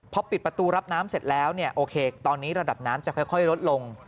พอปิดประตูรับน้ำเสร็จแล้วเนี่ยโอเคตอนนี้ระดับน้ำจะค่อยลดลง